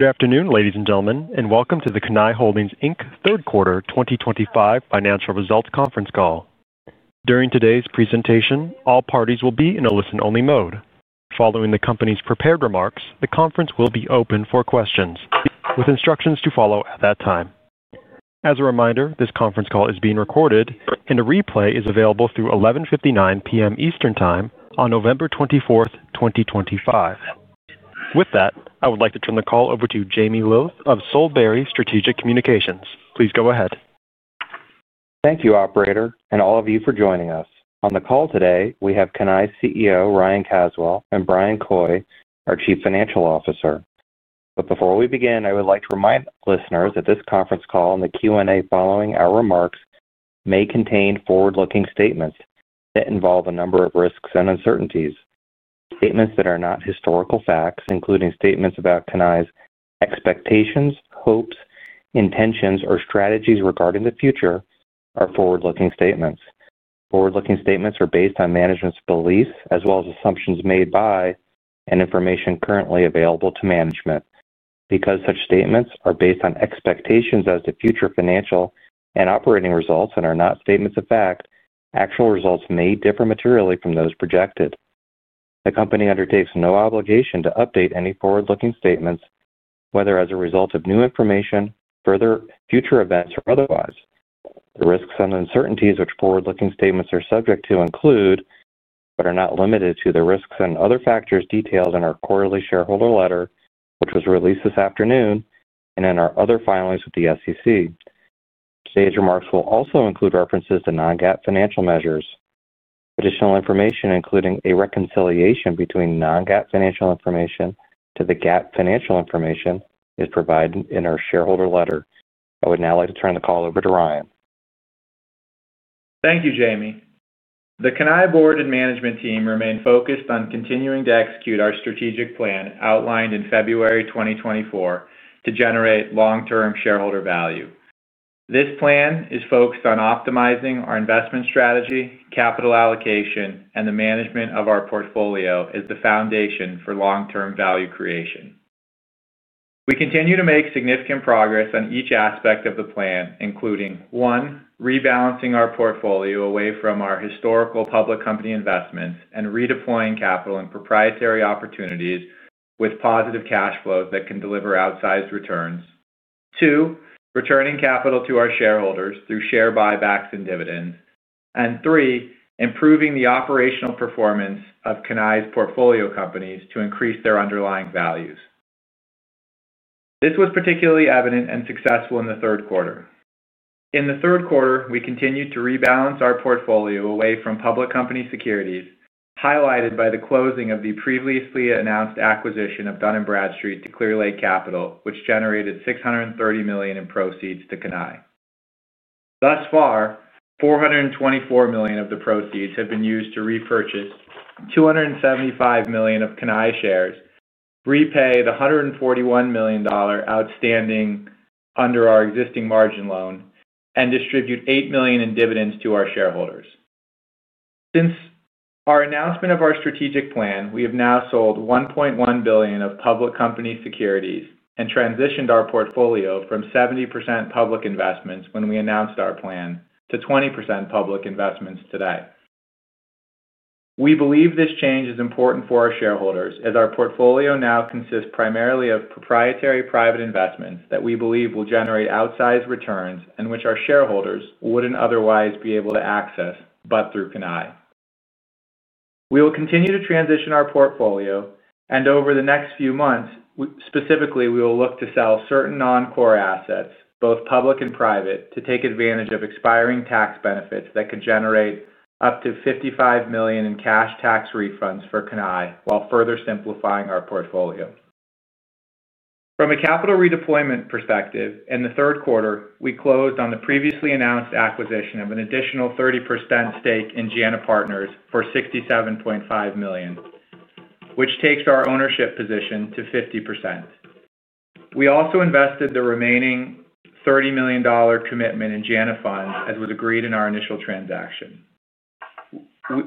Good afternoon, ladies and gentlemen, and welcome to the Cannae Holdings Third Quarter 2025 Financial Results Conference Call. During today's presentation, all parties will be in a listen-only mode. Following the company's prepared remarks, the conference will be open for questions, with instructions to follow at that time. As a reminder, this conference call is being recorded, and a replay is available through 11:59 P.M. Eastern Time on November 24th, 2025. With that, I would like to turn the call over to Jamie Lillis of Solebury Strategic Communications. Please go ahead. Thank you, Operator, and all of you for joining us. On the call today, we have Cannae's CEO, Ryan Caswell, and Bryan Coy, our Chief Financial Officer. Before we begin, I would like to remind listeners that this conference call and the Q&A following our remarks may contain forward-looking statements that involve a number of risks and uncertainties. Statements that are not historical facts, including statements about Cannae's expectations, hopes, intentions, or strategies regarding the future, are forward-looking statements. Forward-looking statements are based on management's beliefs as well as assumptions made by and information currently available to management. Because such statements are based on expectations as to future financial and operating results and are not statements of fact, actual results may differ materially from those projected. The company undertakes no obligation to update any forward-looking statements, whether as a result of new information, future events, or otherwise. The risks and uncertainties which forward-looking statements are subject to include, but are not limited to, the risks and other factors detailed in our quarterly shareholder letter, which was released this afternoon, and in our other filings with the SEC. Today's remarks will also include references to non-GAAP financial measures. Additional information, including a reconciliation between non-GAAP financial information to the GAAP financial information, is provided in our shareholder letter. I would now like to turn the call over to Ryan. Thank you, Jamie. The Cannae board and management team remain focused on continuing to execute our strategic plan outlined in February 2024 to generate long-term shareholder value. This plan is focused on optimizing our investment strategy, capital allocation, and the management of our portfolio as the foundation for long-term value creation. We continue to make significant progress on each aspect of the plan, including, one, rebalancing our portfolio away from our historical public company investments and redeploying capital in proprietary opportunities with positive cash flows that can deliver outsized returns; two, returning capital to our shareholders through share buybacks and dividends; and three, improving the operational performance of Cannae's portfolio companies to increase their underlying values. This was particularly evident and successful in the third quarter. In the third quarter, we continued to rebalance our portfolio away from public company securities, highlighted by the closing of the previously announced acquisition of Dun & Bradstreet to Clearlake Capital, which generated $630 million in proceeds to Cannae. Thus far, $424 million of the proceeds have been used to repurchase $275 million of Cannae shares, repay the $141 million outstanding under our existing margin loan, and distribute $8 million in dividends to our shareholders. Since our announcement of our strategic plan, we have now sold $1.1 billion of public company securities and transitioned our portfolio from 70% public investments when we announced our plan to 20% public investments today. We believe this change is important for our shareholders, as our portfolio now consists primarily of proprietary private investments that we believe will generate outsized returns and which our shareholders would not otherwise be able to access but through Cannae. We will continue to transition our portfolio, and over the next few months, specifically, we will look to sell certain non-core assets, both public and private, to take advantage of expiring tax benefits that could generate up to $55 million in cash tax refunds for Cannae while further simplifying our portfolio. From a capital redeployment perspective, in the third quarter, we closed on the previously announced acquisition of an additional 30% stake in Jana Partners for $67.5 million, which takes our ownership position to 50%. We also invested the remaining $30 million commitment in Jana Funds, as was agreed in our initial transaction.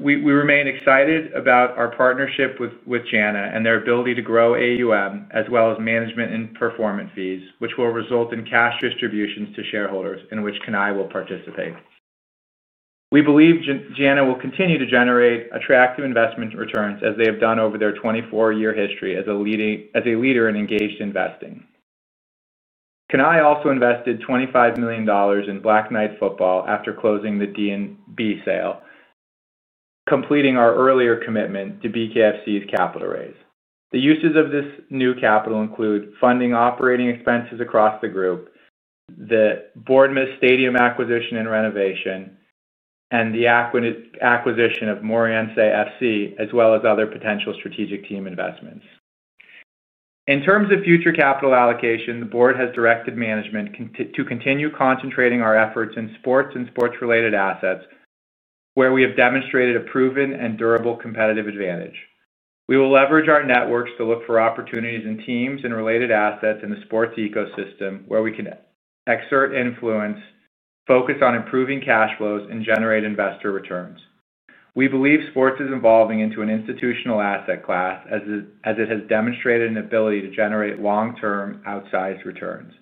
We remain excited about our partnership with Jana and their ability to grow AUM, as well as management and performance fees, which will result in cash distributions to shareholders in which Cannae will participate. We believe Jana will continue to generate attractive investment returns as they have done over their 24-year history as a leader in engaged investing. Cannae also invested $25 million in Black Knight Football after closing the Dun & Bradstreet sale, completing our earlier commitment to BKFC's capital raise. The uses of this new capital include funding operating expenses across the group, the Boardman Stadium acquisition and renovation, and the acquisition of Moreirense FC, as well as other potential strategic team investments. In terms of future capital allocation, the board has directed management to continue concentrating our efforts in sports and sports-related assets, where we have demonstrated a proven and durable competitive advantage. We will leverage our networks to look for opportunities in teams and related assets in the sports ecosystem, where we can exert influence, focus on improving cash flows, and generate investor returns. We believe sports is evolving into an institutional asset class, as it has demonstrated an ability to generate long-term outsized returns.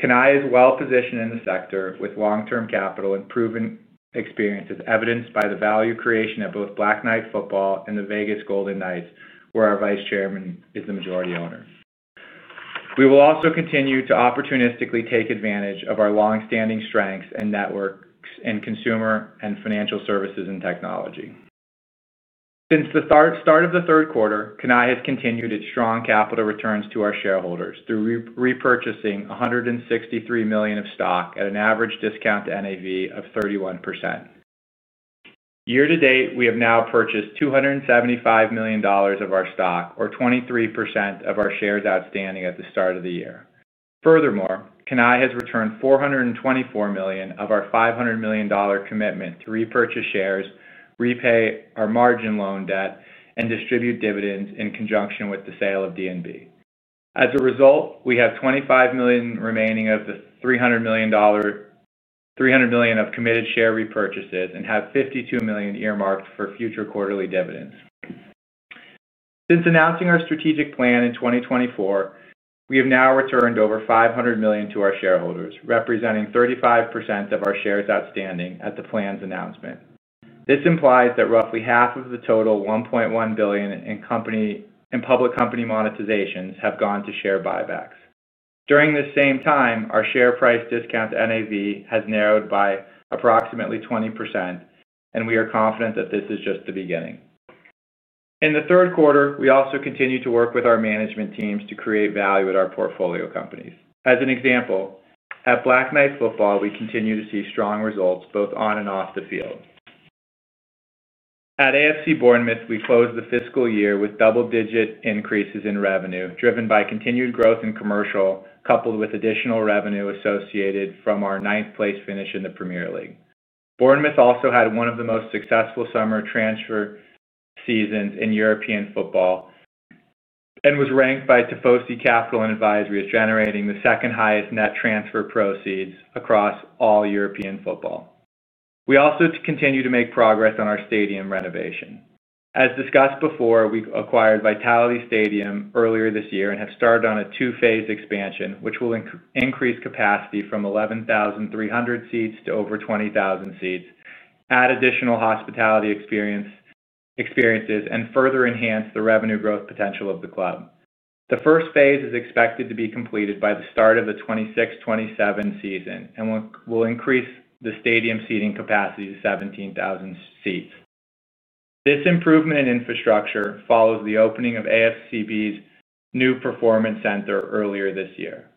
Cannae is well-positioned in the sector with long-term capital and proven experiences, evidenced by the value creation at both Black Knight Football and the Vegas Golden Knights, where our Vice Chairman is the majority owner. We will also continue to opportunistically take advantage of our long-standing strengths and networks in consumer and financial services and technology. Since the start of the third quarter, Cannae has continued its strong capital returns to our shareholders through repurchasing $163 million of stock at an average discount to NAV of 31%. Year to date, we have now purchased $275 million of our stock, or 23% of our shares outstanding at the start of the year. Furthermore, Cannae has returned $424 million of our $500 million commitment to repurchase shares, repay our margin loan debt, and distribute dividends in conjunction with the sale of D&B. As a result, we have $25 million remaining of the $300 million of committed share repurchases and have $52 million earmarked for future quarterly dividends. Since announcing our strategic plan in 2024, we have now returned over $500 million to our shareholders, representing 35% of our shares outstanding at the plan's announcement. This implies that roughly half of the total $1.1 billion in public company monetizations have gone to share buybacks. During this same time, our share price discount to NAV has narrowed by approximately 20%, and we are confident that this is just the beginning. In the third quarter, we also continue to work with our management teams to create value at our portfolio companies. As an example, at Black Knight Football, we continue to see strong results both on and off the field. At AFC Bournemouth, we closed the fiscal year with double-digit increases in revenue, driven by continued growth in commercial, coupled with additional revenue associated from our ninth-place finish in the Premier League. Bournemouth also had one of the most successful summer transfer seasons in European football and was ranked by Tifosi Capital Advisors as generating the second-highest net transfer proceeds across all European football. We also continue to make progress on our stadium renovation. As discussed before, we acquired Vitality Stadium earlier this year and have started on a two-phase expansion, which will increase capacity from 11,300 seats to over 20,000 seats, add additional hospitality experiences, and further enhance the revenue growth potential of the club. The first phase is expected to be completed by the start of the 2026-2027 season and will increase the stadium seating capacity to 17,000 seats. This improvement in infrastructure follows the opening of AFC Bournemouth's new performance center earlier this year.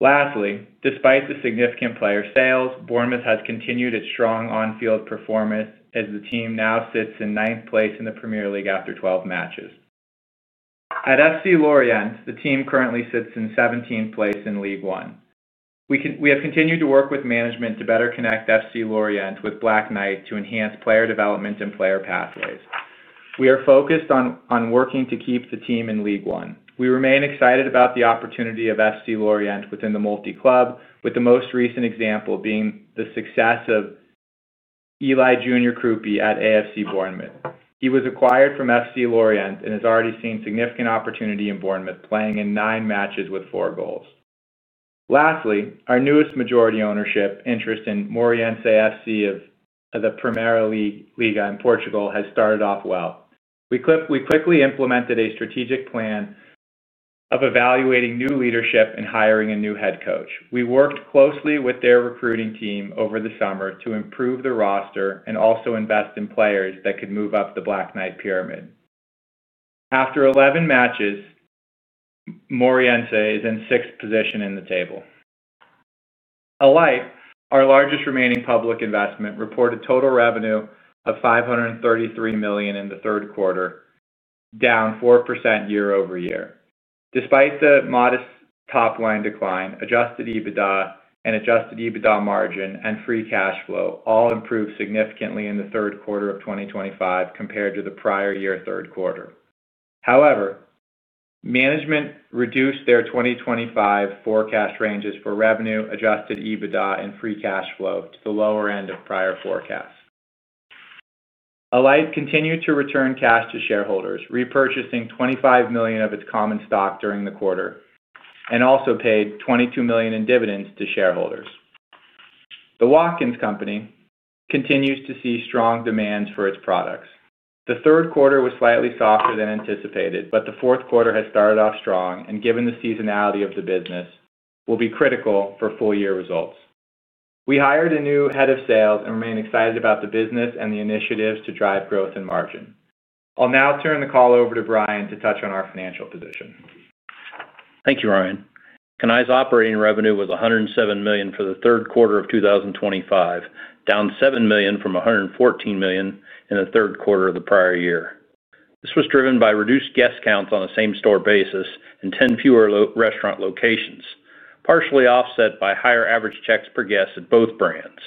Lastly, despite the significant player sales, Bournemouth has continued its strong on-field performance as the team now sits in ninth place in the Premier League after 12 matches. At FC Lorient, the team currently sits in 17th place in Ligue 1. We have continued to work with management to better connect FC Lorient with Black Knight Football to enhance player development and player pathways. We are focused on working to keep the team in Ligue 1. We remain excited about the opportunity of FC Lorient within the multi-club, with the most recent example being the success of Eli Junior Kroupi at AFC Bournemouth. He was acquired from FC Lorient and has already seen significant opportunity in Bournemouth, playing in nine matches with four goals. Lastly, our newest majority ownership interest in Moreirense FC of the Primeira Liga in Portugal has started off well. We quickly implemented a strategic plan of evaluating new leadership and hiring a new head coach. We worked closely with their recruiting team over the summer to improve the roster and also invest in players that could move up the Black Knight pyramid. After 11 matches, Moreirense is in sixth position in the table. Alight, our largest remaining public investment, reported total revenue of $533 million in the third quarter, down 4% year over year. Despite the modest top-line decline, adjusted EBITDA and adjusted EBITDA margin and free cash flow all improved significantly in the third quarter of 2025 compared to the prior year third quarter. However, management reduced their 2025 forecast ranges for revenue, adjusted EBITDA, and free cash flow to the lower end of prior forecasts. Alight continued to return cash to shareholders, repurchasing $25 million of its common stock during the quarter and also paid $22 million in dividends to shareholders. The Watkins Company continues to see strong demand for its products. The third quarter was slightly softer than anticipated, but the fourth quarter has started off strong and, given the seasonality of the business, will be critical for full-year results. We hired a new head of sales and remain excited about the business and the initiatives to drive growth and margin. I'll now turn the call over to Bryan to touch on our financial position. Thank you, Ryan. Cannae's operating revenue was $107 million for the third quarter of 2025, down $7 million from $114 million in the third quarter of the prior year. This was driven by reduced guest counts on a same-store basis and 10 fewer restaurant locations, partially offset by higher average checks per guest at both brands.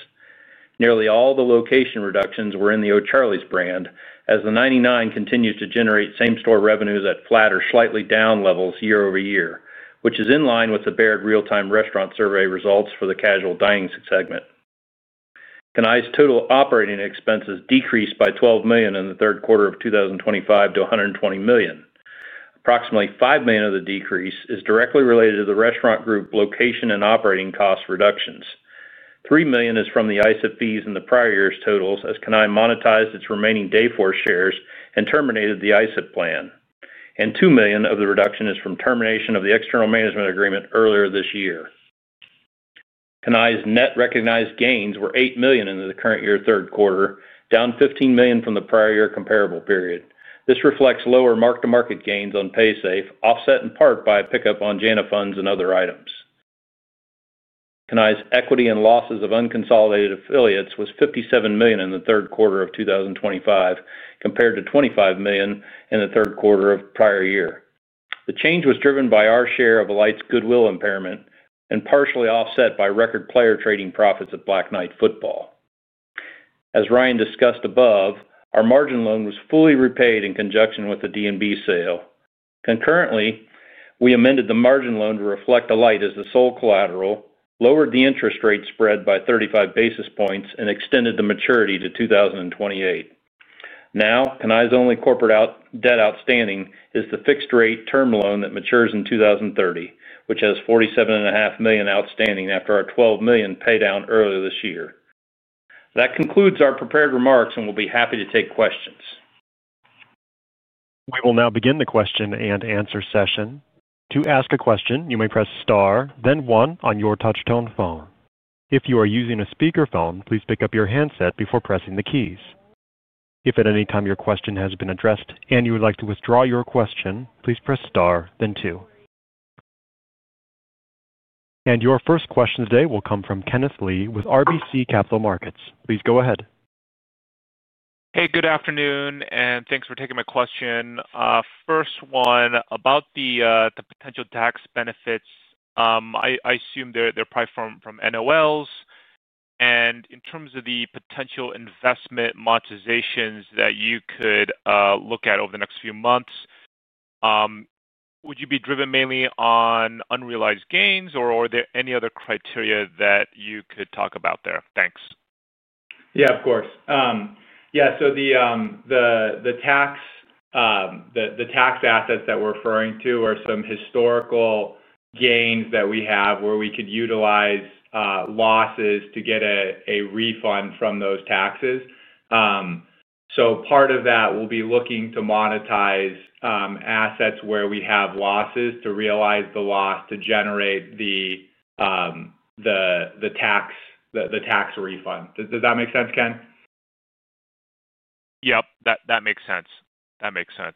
Nearly all the location reductions were in the O'Charley's brand, as the 99 continues to generate same-store revenues at flat or slightly down levels year over year, which is in line with the Baird Real-Time Restaurant Survey results for the casual dining segment. Cannae's total operating expenses decreased by $12 million in the third quarter of 2025 to $120 million. Approximately $5 million of the decrease is directly related to the restaurant group location and operating cost reductions. $3 million is from the ISIP fees in the prior year's totals as Cannae monetized its remaining Dayforce shares and terminated the ISIP plan. $2 million of the reduction is from termination of the external management agreement earlier this year. Cannae's net recognized gains were $8 million in the current year third quarter, down $15 million from the prior year comparable period. This reflects lower mark-to-market gains on Paysafe, offset in part by a pickup on Jana Funds and other items. Cannae's equity and losses of unconsolidated affiliates was $57 million in the third quarter of 2025, compared to $25 million in the third quarter of prior year. The change was driven by our share of Alight's goodwill impairment and partially offset by record player trading profits at Black Knight Football. As Ryan discussed above, our margin loan was fully repaid in conjunction with the D&B sale. Concurrently, we amended the margin loan to reflect Alight as the sole collateral, lowered the interest rate spread by 35 basis points, and extended the maturity to 2028. Now, Cannae's only corporate debt outstanding is the fixed-rate term loan that matures in 2030, which has $47.5 million outstanding after our $12 million paydown earlier this year. That concludes our prepared remarks, and we'll be happy to take questions. We will now begin the question and answer session. To ask a question, you may press star, then one on your touch-tone phone. If you are using a speakerphone, please pick up your handset before pressing the keys. If at any time your question has been addressed and you would like to withdraw your question, please press star, then two. Your first question today will come from Kenneth Lee with RBC Capital Markets. Please go ahead. Hey, good afternoon, and thanks for taking my question. First one, about the potential tax benefits, I assume they're probably from NOLs. In terms of the potential investment monetizations that you could look at over the next few months, would you be driven mainly on unrealized gains, or are there any other criteria that you could talk about there? Thanks. Yeah, of course. Yeah, so the tax assets that we're referring to are some historical gains that we have where we could utilize losses to get a refund from those taxes. Part of that, we'll be looking to monetize assets where we have losses to realize the loss to generate the tax refund. Does that make sense, Ken? Yep, that makes sense. That makes sense.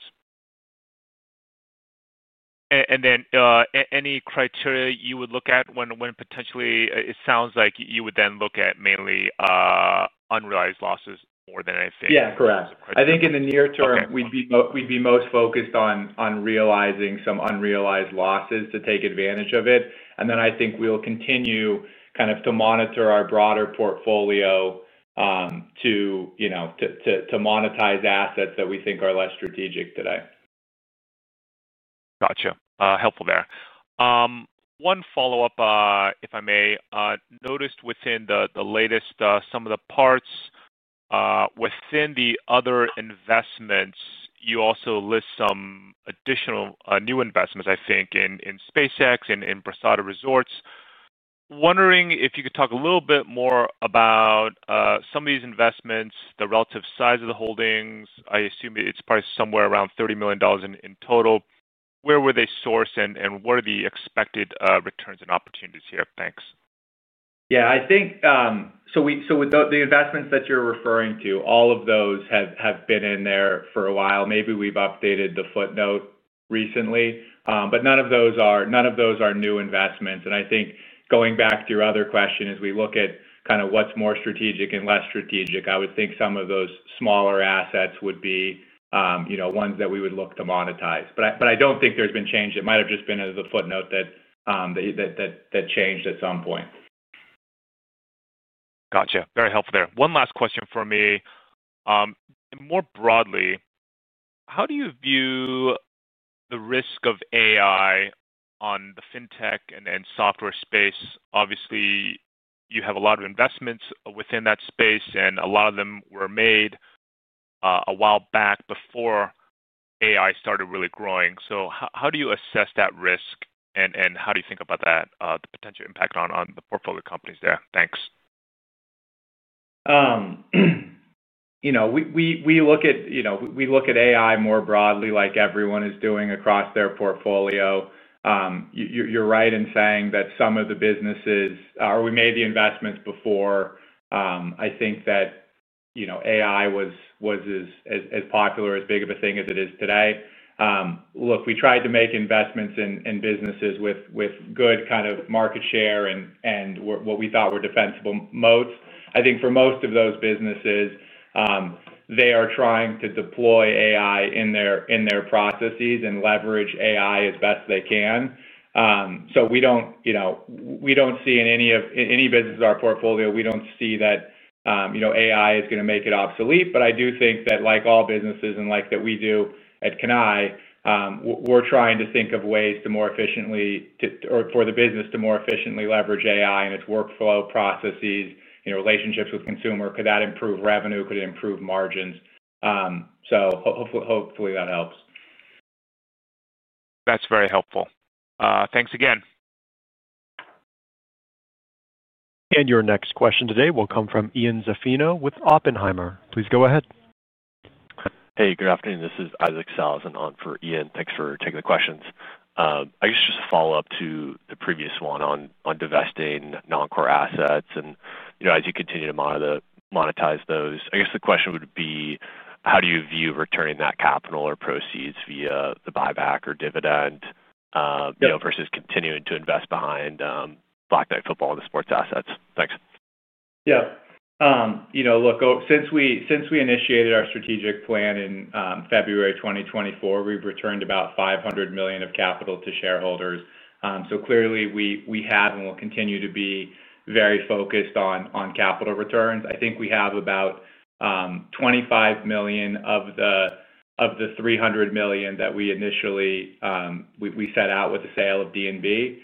Any criteria you would look at when potentially it sounds like you would then look at mainly unrealized losses more than anything? Yeah, correct. I think in the near term, we'd be most focused on realizing some unrealized losses to take advantage of it. I think we'll continue kind of to monitor our broader portfolio to monetize assets that we think are less strategic today. Gotcha. Helpful there. One follow-up, if I may. Noticed within the latest, some of the parts within the other investments, you also list some additional new investments, I think, in SpaceX and in Brisada Resorts. Wondering if you could talk a little bit more about some of these investments, the relative size of the holdings. I assume it's probably somewhere around $30 million in total. Where were they sourced, and what are the expected returns and opportunities here? Thanks. Yeah, I think so. With the investments that you're referring to, all of those have been in there for a while. Maybe we've updated the footnote recently, but none of those are new investments. I think going back to your other question, as we look at kind of what's more strategic and less strategic, I would think some of those smaller assets would be ones that we would look to monetize. I don't think there's been change. It might have just been the footnote that changed at some point. Gotcha. Very helpful there. One last question for me. More broadly, how do you view the risk of AI on the fintech and software space? Obviously, you have a lot of investments within that space, and a lot of them were made a while back before AI started really growing. How do you assess that risk, and how do you think about the potential impact on the portfolio companies there? Thanks. We look at AI more broadly, like everyone is doing across their portfolio. You're right in saying that some of the businesses we made the investments before, I think that AI was as popular, as big of a thing as it is today. Look, we tried to make investments in businesses with good kind of market share and what we thought were defensible moats. I think for most of those businesses, they are trying to deploy AI in their processes and leverage AI as best they can. We don't see in any business in our portfolio, we don't see that AI is going to make it obsolete. I do think that, like all businesses and like that we do at Cannae, we're trying to think of ways to more efficiently or for the business to more efficiently leverage AI in its workflow processes, relationships with consumer. Could that improve revenue? Could it improve margins? Hopefully that helps. That's very helpful. Thanks again. Your next question today will come from Ian Zaffino with Oppenheimer. Please go ahead. Hey, good afternoon. This is Isaac Sells, and I'm for Ian. Thanks for taking the questions. I guess just a follow-up to the previous one on divesting non-core assets. As you continue to monetize those, I guess the question would be, how do you view returning that capital or proceeds via the buyback or dividend versus continuing to invest behind Black Knight Football and the sports assets? Thanks. Yeah. Look, since we initiated our strategic plan in February 2024, we've returned about $500 million of capital to shareholders. Clearly, we have and will continue to be very focused on capital returns. I think we have about $25 million of the $300 million that we initially set out with the sale of D&B.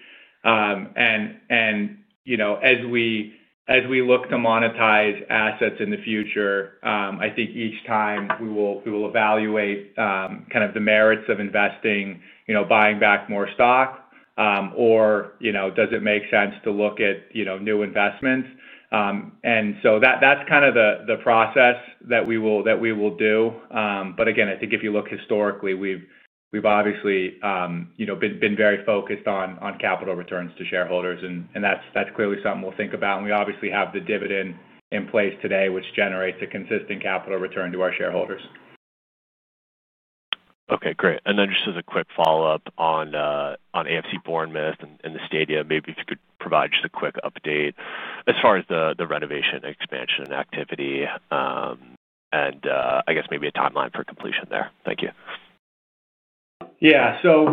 As we look to monetize assets in the future, I think each time we will evaluate kind of the merits of investing, buying back more stock, or does it make sense to look at new investments. That's kind of the process that we will do. Again, I think if you look historically, we've obviously been very focused on capital returns to shareholders, and that's clearly something we'll think about. We obviously have the dividend in place today, which generates a consistent capital return to our shareholders. Okay. Great. And then just as a quick follow-up on AFC Bournemouth and the stadium, maybe if you could provide just a quick update as far as the renovation, expansion, and activity, and I guess maybe a timeline for completion there. Thank you. Yeah. So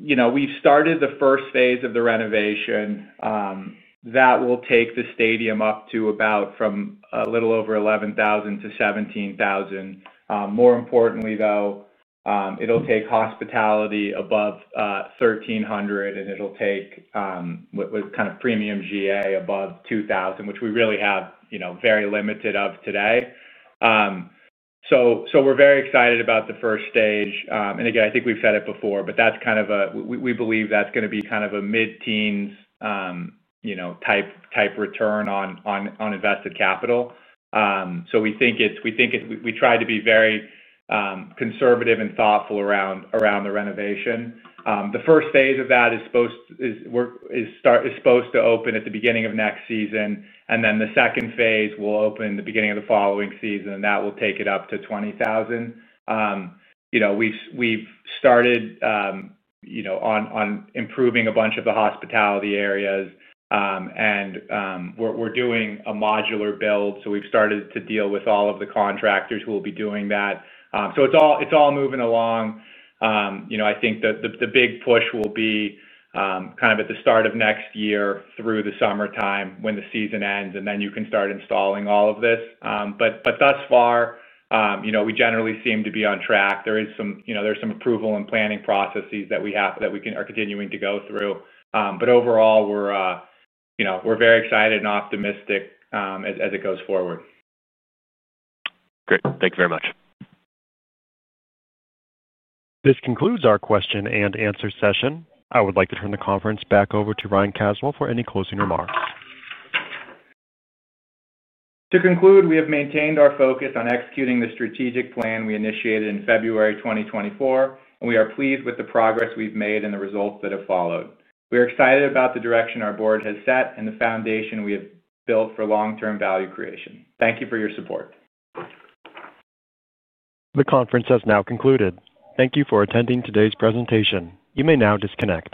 we've started the first phase of the renovation. That will take the stadium up to about from a little over $11,000 to $17,000. More importantly, though, it'll take hospitality above $1,300, and it'll take kind of premium GA above $2,000, which we really have very limited of today. We're very excited about the first stage. I think we've said it before, but that's kind of a we believe that's going to be kind of a mid-teens type return on invested capital. We think it's we try to be very conservative and thoughtful around the renovation. The first phase of that is supposed to open at the beginning of next season, and then the second phase will open the beginning of the following season, and that will take it up to $20,000. We've started on improving a bunch of the hospitality areas, and we're doing a modular build. We've started to deal with all of the contractors who will be doing that. It's all moving along. I think the big push will be kind of at the start of next year through the summertime when the season ends, and then you can start installing all of this. Thus far, we generally seem to be on track. There is some approval and planning processes that we are continuing to go through. Overall, we're very excited and optimistic as it goes forward. Great. Thank you very much. This concludes our question and answer session. I would like to turn the conference back over to Ryan Caswell for any closing remarks. To conclude, we have maintained our focus on executing the strategic plan we initiated in February 2024, and we are pleased with the progress we've made and the results that have followed. We are excited about the direction our board has set and the foundation we have built for long-term value creation. Thank you for your support. The conference has now concluded. Thank you for attending today's presentation. You may now disconnect.